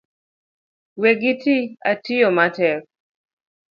We giti atiyo matek